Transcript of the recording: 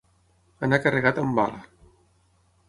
Anar carregat amb bala.